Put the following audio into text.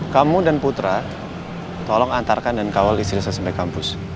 kamu dan putra tolong antarkan dan kawal istri saya sampai kampus